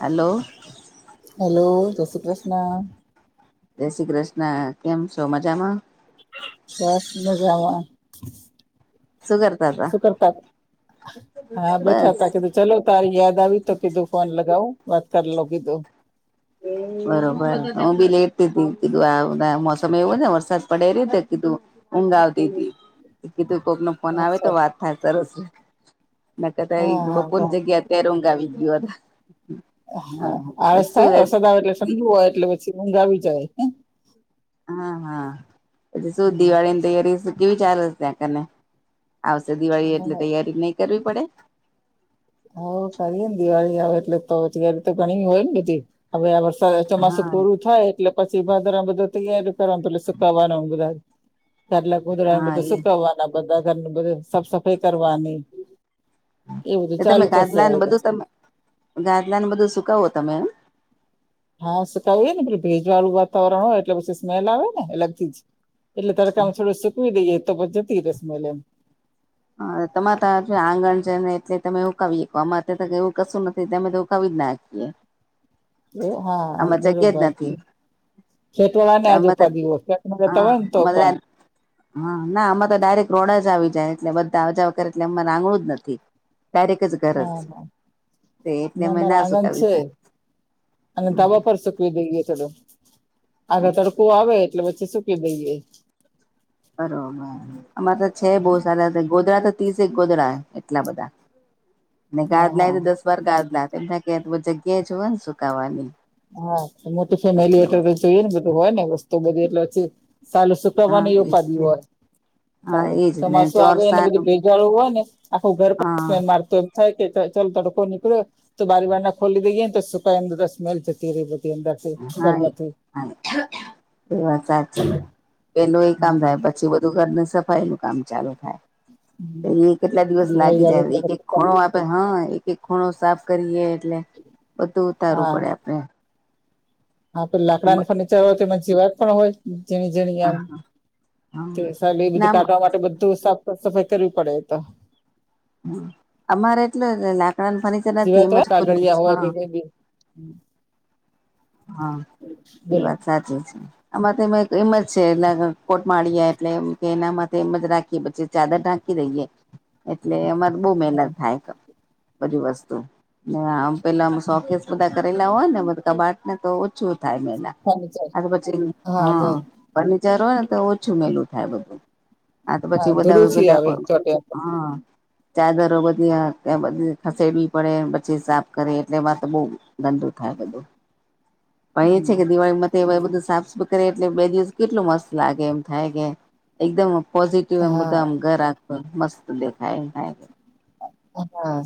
હાલો hello. જય શ્રી કૃષ્ણ. જય શ્રી કૃષ્ણ. કેમ છો મજામાં? બસ મજામાં. સુ કર શું કરતાતા? હા બસ બેઠાતા. કીધું ચલો તારી યાદ આવી તો કીધું ફોન લગાવું વાત કરી લવ કીધું. બરોબર હું બી લેતીતી જ. કીધું આ બધા મોસમ એવું ને વરસાદ પડે એવો છેને તે કીધું ઊંઘ આવતીતી તે કીધુ કોકને ફોન આવે તો અચ્છા વાત થાય સરસ ન હા હા [unintelligible] બરાબર. જગ્યા અત્યારે ઊંઘ આવી ગ્યું હોત. હા આળસ થાયને વરસાદ આવે એટલે ઠંડુ હોય એટલે પછી ઊંઘ આવી જાય. હા હા. પછી શું હા. દિવાળીની તૈયારી શું કેવી ચાલે છે? ત્યાં કને? આવશે દિવાળી એટલે તૈયારી નહી કરવી પડે? હૌ કરીએ ને દિવાળી આવે એટલે [unintelligible] તો ઘણી હોય ને બધી હવે આ વરસાદ ચોમાસું હા પૂરું થાય એટલે પછી ભાદરવામાં તૈયારીયુ કરવાનું પેલું સુકવાનુંન બધા ગાદલા ગોદડાને હા બધું એ સુકવાનું બધા ઘરને બધુ સાફ સફાઈ કરવાની એ બધું એ તમે ચાલુ થશે હવે ગાદલાને બધું પછી તમે ગાદલાને બધું સુકાવો તમે એમ? હા. સુકાવીએ ને પછી ભેજવાળું વાતાવરણ હોય એટલે પછી સ્મેલ આવે ને. અલગથી જ. એટલે તડકામાં થોડું સુકવી દઈએ તો પછી જતી રે સ્મેલ એમ. હા. તમારે તાં આંગણ છે ને એટલે તમે હુકાવી હકો. અમાર ત્યાં એવું કશું નથી. તો અમે તો હુકાવી જ ના હકીએ. [inaudible] ઓ હા જગ્યા જ બરોબાર નથી છે ફ્લેટવાળાને આજ અમે તો ઉપાધી હોય. ફ્લેટમાં રેતા હા હોય ને અમારે તોપણ તા હા. ના અમાર તો ડાયરેક્ટ રોડ જ આવી જાય. એટલે બધાજાવ કરે એટલે એમને આંગણું જ નથી. ડાયરેક જ ઘર હ જ હા. તે એટલે ના અમે મારા આંગણ સુકાવી છે. શકીએ. અમે ધાબા ઉપર સુક સુકવી દઈએે થોડું આગળ તડકો આવે એટલે પછી સુકવી દઈએ. બરોબર. અમારે તો છે બહુ સારા. ગોદરા તો ત્રીસેક ગોદરા હે એટલા બધાં ને હા હા ગાદલાંય તો દસ બાર ગાદલા. [unintelligible] કે જગ્યા જોવે ને સુકાવાની હા. મોટું ફેમિલી એટલે હોય જોઈએ ને બધું. હોય ને વસ્તુ બધું એટલે [unintelligible] હા સુકવવાની એજ ઉપાદી ને હોય હા તારે. એજ ને ચોમાસું આવે એને બધું ચોરસાનું ભેજવાળુ હોય ને આખું ઘર પણ હા સ્મેલ મારતું થાય કે ચલ તડકો નીકળ્યો. તો બારી બારણાં ખોલી દઈએ ને તો સુકાઈને સ્મેલ થતી રે બધી અંદરથી હા એ ઘરમાંથી હા એ [inaudible] વાત સાચી પેલું એ કામ હમ થાય પછી બ ધુ ઘરની સફાઈનું કામ ચાલુ થાય. તો એય કેટલાય દિવસ દિવાળી લાગી આવે જાય એટલે એક એક પછી ખૂણો આપે હા, એક-એક ખૂણો સાફ કરીએ એટલે બધું ઉતારવું હા પડે આપણે. હા તો લાકડાનું ફર્નિચર હોય તો એમાં જીવાત પણ હોય. ઝીણી-ઝીણી આમ [unintelligible] બધું નામ કાઢવા માટે બધું સાફ સાફ-સફાઈ કરવી પડે એ તો. હમ્મ. અમારે એટલે લાકડાનું ફર્નિ જીવાત હોય, કાગળિયા હોય કોઈ બી. હા. એ બોલો વાત સાચી છે. અમારે તો એમ જ-એમ જ છે એટલે કોટ માળીયા એટલે એમ કે એનામાં તો એમ જ રાખીએ પછી ચાદર ઢાંકી દઈએ, એટલે અમારે બહુ હા મહેનત થાય. બધી વસ્તુ. ને આમ પેલા સોકશ બધા કરેલા હોય ને બધું કબાટ ને તો ઓ છું થાય મહેનત. ફર્નિચર આ તો પછી, હા. ફર્નિચર હોય ને તો ઓછું મેલું થાય બધું. આ તો હા પછી બધા ધૂળું હવે છે આવે પહેલાં ચોટે [unintelligible] હા. ચાદરો બધી આ તે બધી ખસેડવી પડે એમ, પછી સાફ કરે, એટલે વા તો બહું ગંદુ થાય બધું. પણ એ છે હમ. કે દિવાળીમાં તે બધું સાફ-સફાઈ કરે એટલે બે દિવસ કેટલું મસ્ત લાગે, એમ થાય, કે એકદમ પોઝિટિવ એમ હા બધાં આમ ઘર આખું મસ્ત દેખાય એમ થાય. હા.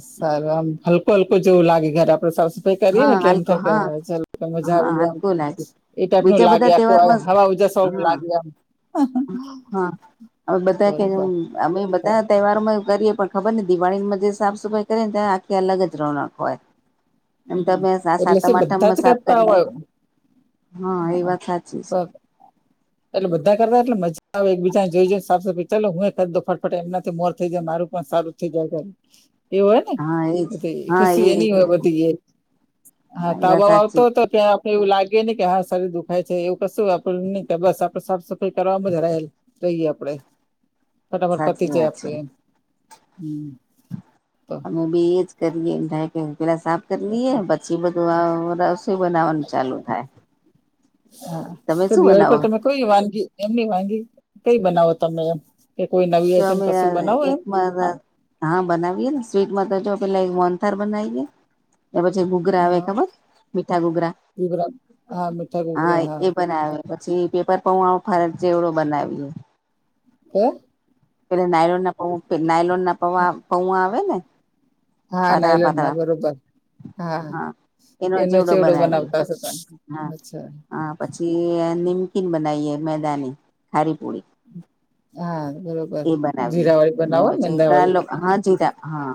[unintelligible] હલકું-હલકું જેવું લાગે. ઘર આપણે સાફ સફાઈ કરીએ હા ને એટલે એમ હલકો થાય, કે હા ચલ [unintelligible] મજા હા આવી ગઈ આમ. હલકો લાગે એ ટાઈપ નું બીજા લાગે બધા આખું, તહેવારમાં હ હવા ઉજાસ [unintelligible] હા લાગે એમ. હા. હવે બધા કે બરોબર [unintelligible] અમે બધા તહેવારોમાં કરીએ, પણ ખબર નહીં દિવાળીમાં જે સાફ-સફાઈ કરીએ ને તેની આખી અલગ જ રોનક હોય. એમ હમ્મ. તમે એટલે સાતમ શું બધા આઠમમાં જ સાફ કરતા કરીએ હોય. હા એ વાત સાચી છે [unintelligible] [inaudible] એટલે બધા કરતા એટલે મજા આવે, એક બીજાન જોઈ-જોઈન સાફ-સફાઈ, ચલો હું એ કર દઉં ફટફટે, એમનાથી મોર થઈ જાય, મારું પણ સારું થઈ જાય ઘર. એવું હોય ને? હા એજ એ તે હા ખુશી એ એની હોય બધ ધી એ. હા એ વાત તાવ-બાવ આવતો સાચી હતો કે આપણે એવું લાગે નહીં, કે હા શરીર દુખાય છે. એવું કશું આપણું નહીં, કે બસ આપણે સાફ-સફાઈ કરવામાં જ રહેલ રહીએ આપણે. ફટાફટ પતી સાચી જાય વાત છે આપણે એમ. હમ્મ. અમે બી એજ કરીએ. [inaudible] પહેલાં સાફ કર લીએ, પછી બધ ધું આવ રસોઇ બનાવવાનું ચાલુ થાય. હા. તમે તો શું દિવાળી બનાવો પર તમે કોઈ વાનગી એમ નહીં, વાનગી કંઈ બનાવો તમે એમ કે કોઈ નવી જો આઈટમ અમે કશું બનાવો એમ? [unintelligible] હા બનાવીએે ને. સ્વીટમાં તો જો પહેલા એક મોહનથાળ બનાઈએે. એ પછી ઘુઘરા આવે હા ખબર? મીઠા ઘુઘરા? ઘૂઘરા હા મીઠા હા ઘૂઘરા એ બનાવે. પછી પેપર પૌવા, ફરારી ચેવડો બનાવીએ. કે પહેલાં નાઈલોનના પૌવ નાયલોન પવા-પૌવા આવે ને? હા પાતળા નાઈલોનના. પાતળા હા બરોબર. હા. એનો એનોઈ ચેવડો બનાવીએ બનાવતા હશો તમે? હા અચ્છા. હા પછી એ નિમકીન બનાઈએ મેદાની. ખારી પુરી. હા બરોબર. બનાવીએ જીરા વાળી ને બનાવોને પછી ઘણા મેંદાવાળી? લોકો હા જીરા હા.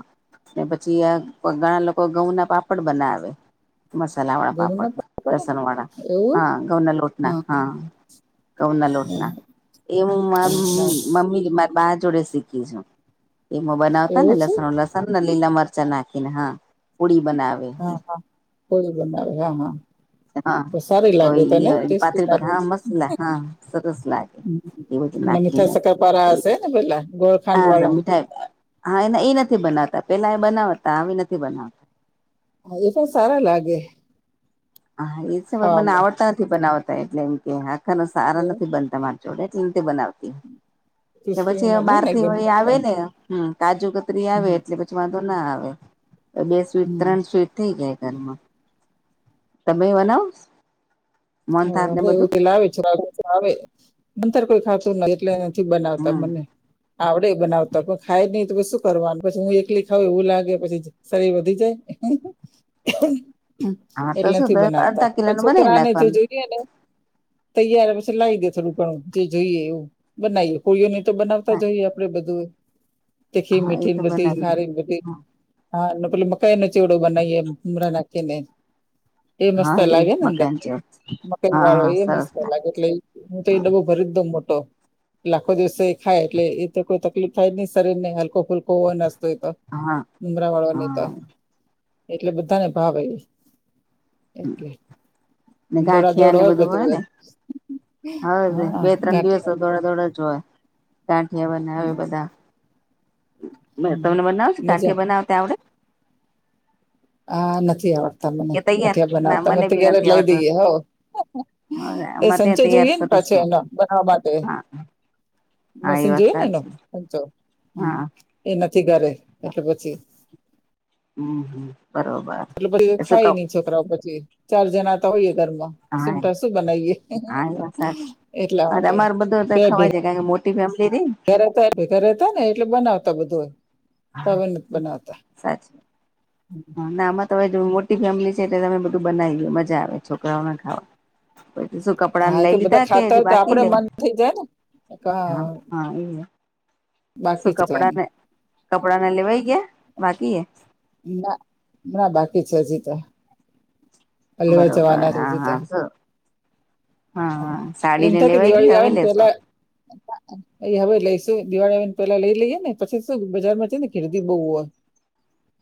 ને પછી આ ઘણા લોકો ઘઉં ના પાપડ બનાવે. મસાલા વાળા ઘઉં ના પાપડ, લસણ વાળા. એવું હા. ઘઉંના લોટના. હા. ઘઉંના લોટના એમ મામ મમ્મી કે મારા બાર જોડે શીખી છું. એ ઉમા બનાવતા ને એવું છે લસણ લસણ સન ને લીલા મરચા નાખીને હા પુડી બનાવે. હા હા પૂડી બનાવે હા હા. હા સારી તો લાગે ઈ તને ટેસ્ટી પાતળી લાગે પાતળી હા મસલ હા સરસ લાગે. એ બધું અને મીઠા નાખીને એ શકરપારા હશે ને પહેલા ગોર હા મીઠાઈ હા એને એ નથી બનાવતા પેલા એ બનાવતા હવે નથી બનાવ હા એ પણ સારા લાગે. હા એ છે પણ મને ખાવામાં આવડતા નથી બનાવતા એટલે એમ કે આખા ન સારા એવું નથી બનતા માર જોડે એટલે નથી બનાવતી કે ક્રિસ્પી પછી હવે બને ને બારથી એકદમ વળી આવે મોટા. ને. હમ કાજુકતરી આવે હમ. એટલે પછી વાંધો ના આવે. અ બે સ્વીટ ત્રણ સ્વીટ થઈ જાય ઘરમાં. તમે બનાવો છ હ એવું તે લાવે છોકરા કંઈક લાવે. મને તો કઈ ફાવતું નથી એટલે નથી બનાવતા હમ મને. આવડે બનાવતા પણ ખાય નહી તો શું કરવાનું પછી હું એકલી ખાવું એવું લાગે પછી. શરીર વધી જાય. હા તો એટલે શું નથી બનાવતા. અડધા કિલો પણ નું બનાવી છોકરાને જે નાખવાનું જોઈ એ ને તૈયાર પછી લાવી દે થોડું ઘણું જે જોઈએ એવું બનાઈએ [inaudible] તો બનાવતા જોઈએ આપડે બધું તીખી, હા એ મીઠી ને તો બધી બનાવી ખારી બધી હા ને પેલો મકાઈનો ચેવડો બનાવીએ મમરા નાખીને એ મસ્ત હા એ લાગેને અંદર. [inaudible] મકાઈ વાળો હા એ સરસ મસ્ત લાગે એટલે હું તો એ ડબો ભરી જ દઉ મોટો. એટલે આખો દિવસ તો એ ખાય એટલે એ તો કોઈ તકલીફ થાય જ નહી શરીરને હલકો ફુલકો નસ્તો હોય તો. હા મમરાવાળા ને એતો. હા એટલે બધાને ભાવે એ એટલે. ને ગાંઠિયા ને બધું હોય ને. હવે હા બે ત્રણ ઘાટી દિવસ દોડાદોડ જ હોય. ગાંઠીયા બનાવે બધા. ને હમ તમને બનાવો છો? મજા ગાંઠીયા બનાવતાં આવડે? આ નથી આવડતા મને કે તૈયાર ગઠિયા ના બનાવતા અમે મને બી ત્યાર જ નથી લાઈ આવડતું દઈએ હોવ. એ આમાં સંચો ત્યાં તૈયાર જોઈએ ને સરસ પાછો એનો બનાવવા માટે. હા હા એ મશીન વાત જોએ ને એના સાચી સંચો હા એ નથી ઘરે એટલે પછી હમ્મ હમ્મ બરોબર. એટલે પછી એ શું ખાઇ કવ નઈ છોકરાઓ પછી ચાર જણાતા હોઈએ ઘર માં. હા એમ હા એ વાત સાચી. એટલા હા માટે આમાંરે બધું તો પે ખવાઈ ભેગા જાય કારણ કે મો મોટી ફૅમિલી રીન. [unintelligible] એટલે બનાવતા બધું. હવે નથ બનાવતા. સાચી હમ અ ના આમાં તો મોટી ફેમિલી છે એટલે અમને બધું બનાવીયે મજા આવે છોકરાઓને ખાવા. પછી શું કપડાને હા એ લઈ તો બધા લીધા કે ખાતા હજી હોય તો બાકી આપડે લે મન થઈ જાય ને હા હા ઈહે બાકી શું ચટવાની. કપડા ને કપડાને લેવાય ગયા બાકી હે? ના ના બાકી છે હજી તો. આ લેવા બરોબર જવાના રે હા હજી તો હા શું હા એમ સાડીને થાય કે લેવાઈ ગઈ દીવાળી આવે હવે ને લેશો પેલા એ હવે લઈશું દિવાળી આવેને પેલા લઈ લઈએે ને પછી શું બજારમાં છે ને ગીરદી બહુ હોય.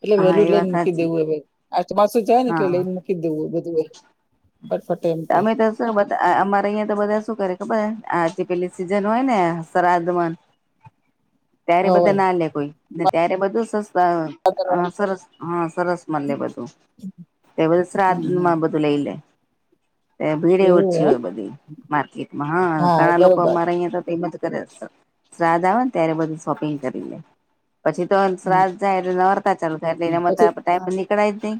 એટલે હા વેલુ એ લઈને વાત મુકી સાચી દેવું અવે. આ ચમાસું જાય ને એટલે હા લઈન મૂકી દેવું હવે બધું એ. ફટફટ એમ કે તમે તો અ અમારે અહિયાં તો બધા શું કરે ખબર હે. આ જે પેલી સિઝન હોય ને શ્રાધમાં [inaudible] ત્યારે બધા હોય ના લે કોઈ, ને ત્યારે બધું સસ્તાં અ સરસ અ સરસ મલે બધું. તે બધું હમ હમ શ્રાદ્ધમાં બધું લઈલે. ભીડ એ એવું ઓછી એમ હોય બધી માર્કેટમાં. હા ઘણા લોકો અમારે અહીયા તો કિંમત કરે અસલ. શ્રાદ્ધ આવે ને ત્યારે બધું શોપીંગ કરી લે, પછી તો હમ શ્રાધ જાય એટલે નોરતા ચાલ [unintelligible] પછી ટાઈમ હા. પર નીકળાય જ નહીં.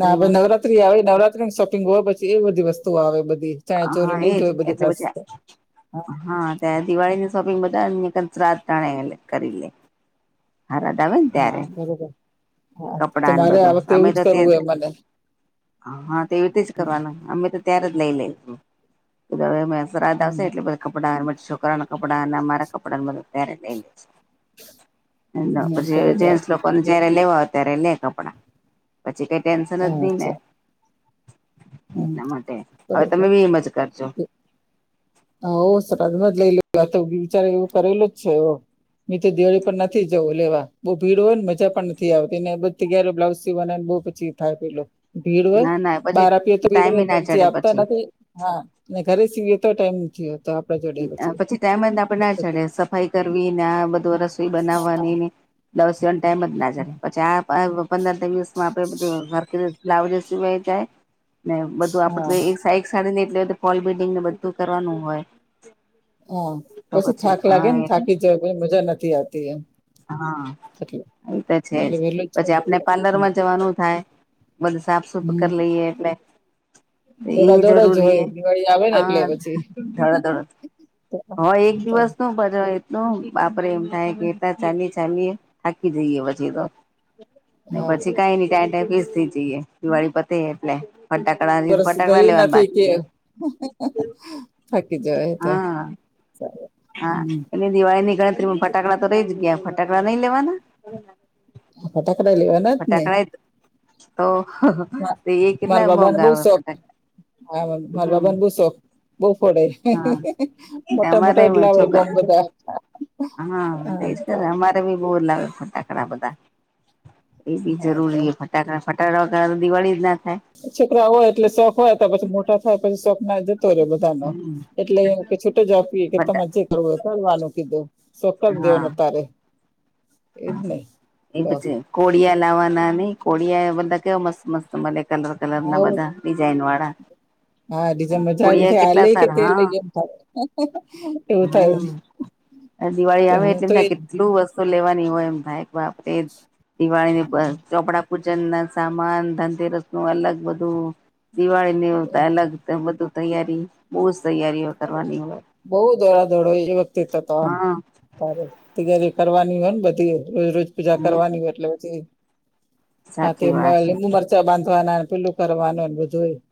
ના ભઈ, નવરાત્રી આવે નવરાત્રીની શોપિંગ હોય પછી એ બધી વસ્તુઓ આવે બધી. ચણીયાચોરી હા ની જ એજ જોય બધી ખાસ તો. ત્યાં દિવાળીની શોપિંગ બધા શ્રાધ ટાણે કરીલે હાર લાવે ને હા ત્યારે બરોબર હા કપડાને તમારે આ બધું વખતે અમે એવું તો તે કરવું જ એ મને હા હા તે એવીતે જ કરવાનુ અમે તો અત્યારે જ લઈ લે હવે શ્રાધ આવશે હમ એટલે બધાં [unintelligible] છોકરા ના કપડાં અને અમારા કપડા બધા ત્યારે લઈ લે. એ હમ પછી બરોબર જેન્સ લોકોને જયારે લેવા હોય ત્યારે લે કપડા. પછી કઈ ટેન્શન જ નહી ને અચ્છા હમ એટલા માટે. હવે બરોબર તમે બી એમજ કરજો. હાવ [unintelligible] લઈ લે વિચારે એવું કરેલું જ છે એવુ. મેતો દિવાળી પણ નથી જવું લેવા બહુ ભીડ હોય ને મજા પણ નથી આવતી ને [unintelligible] બ્લાઉઝ સીવાના ને બવ જે થાય પેલો ભીડ હોય ના ના પછી બારાપી ટાઈમે ના [unintelligible] ચડે આપતા પછી નથી. હા, અને ઘરે સીવીએ તો ટાઈમ નથી હોતો. આપડા જોડે પછી ટાઈમને આપણેના ચડે, સફાઈ કરવીને બધું રસોઈ બનાવવાની દસ જણ ટાઈમ જ ના જાય, પછી આ પંદરિવસ માં આપણે બધું બ્લાઉઝ સીવાય જાય ને બધું આપણ હા ને સાઈક સાડી ને એટલે પોલ બીડિંગને બધું કરવાનું હોય. હા, તો પછી થાક લાગેને હા થાકી જવાઈ, પછી મજા નથી આવતી એમ. હા, એટલે એ તો છે જ. એટલે વેલું પછી કરી આપણે લેવું. પાર્લરમાં જવાનું થાય. બધું સાફ સુફ હમ કરી લઈએ એટલે એ દોડા દોડ જ જરૂરી હોય એ દિવાળી આવે ને હ એટલે પછી ધડા દોડ હ, એક તો દિવસનું બધાએ તો બાપરે એમ થાય કેતા ચાલી ચાલી થાકી જઈએ, પછી તો ને હા પછી કઈ નય ટાઈ ટાઈ ફીસ થઈ જઈએ દિવાળી પતે એટલે ફટાકડાની વર્ષ ફટાકડા ગયું લેવાનું નથી કે બાકી એ થાકી જવાય તો હા હા, હમ. એન દિવાળીની ગણતરીમાં ફટાકડા તો રહી જ ગયા. ફટાકડા નઈ લેવાના? ફટાકડા લેવાના. જ ને ફટાકડાએ તો મા- એ મારા કેટલા બાબાને મોંંગા બહુ આવે. શોખ ફટાકડા હા, માર હમ બાબાને બવ શોખ બહુ ફોડે. હા મોટા અમારે મોટા જ લાવે બોમ છોકરા બધા હા, એજ કરે અમારે બી બહુ લાવે ફટાકડા બધા. એ બી હા તો જરૂરી હ ફટાકડા, ફટાકડા વગર દિવાળી જ ના થાય. છોકરા હોય એટલે શોખ હોય, તો પછી મોટા થાય પછી શોખ ના હોય જતો રે બધો. ધ ન એટલે છૂટ જ આપીએ કે ફટા તમાર જે કરવું હોય તે કરવાનું શોક હા દેવના તારે એજ ને એ તો પછી કોળિયા લાવવાના નહી. કોળિયા બધા કેવા મસ્ત મસ્ત મલે કલર કલરનના આવ બધા ડિઝાઇન વાળા હા, બીજા મજા એમ કોડિયા થાય, આ કેટલા લઈ કે સારા તે હા લઈ એમ થાય એવું થાય. આ દિવાળી તો આવે હું તો એટલે એ કેટલું વસ્તુ લેવાની હોય એમ થાય કે આપણે એ દિવાળીને ચોપડા પૂજનના સામાન, ધનતેરસનું અલગ બધું, દિવાળીની અલગ તો બધું તૈયારી બહુ જ તૈયારી બોવ દોડાદોડ હોય છે એ વખતે તો આમ. હા તારે તૈયારી કરવાની હોયબધી રોજ રોજ પૂજા હમ કરવાની એટલે બધી આ તે સાચી વાત છે લીંબુ મરચું ડુચા બાંધવાના પેલું કરવાનું બધું એ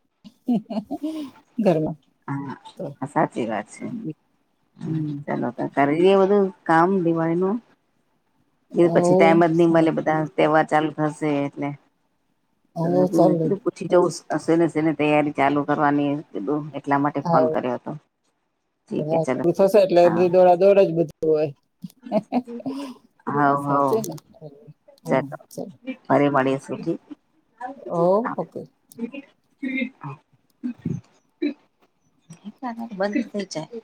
ઘરમાં તો હા, સાચી વાત છે. હમ હ ચાલો તાર કરીએ બધું કામ દિવાળીનું એ પછી ટાઈમ હવ જ નહી મળે બધા તહેવાર ચાલુ થશે, એટલે ચાલે દીકરી પછી જું શેને શેને તૈયારી ચાલુ કરવાની કીધું એટલા માટે ફોન કર્યો હતો. ઠીક હે ચલો બધું થશે એટલે હા બધી દોડા દોડે જ બધું હવ હવ સાચે [unintelligible] હા ચાલો ફરી મળીશું ઠીક હોવ ઓકે. [inaudible] બંધ જ થઈ જાય.